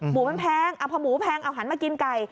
หมูมันแพงพอหมูแพงเอาหันมากินไก่